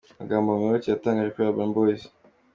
Amagambo Muyoboke yatangaje kuri Urban Boyz:.